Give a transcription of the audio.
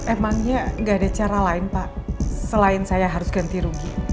emangnya gak ada cara lain pak selain saya harus ganti rugi